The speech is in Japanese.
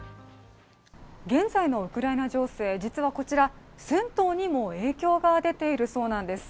現在のウクライナ情勢、実はこちら、銭湯にも影響が出ているそうなんです。